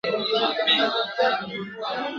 د همدې غرونو لمن کي ..